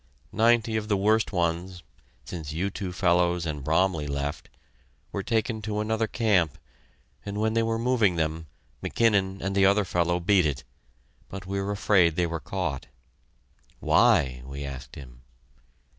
"Ninety of the worst ones since you two fellows and Bromley left were taken to another camp, and when they were moving them McKinnon and another fellow beat it but we're afraid they were caught." "Why?" we asked him.